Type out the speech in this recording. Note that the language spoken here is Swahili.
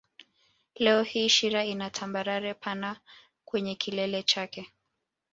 Leo hii Shira ina tambarare pana kwenye kilele chake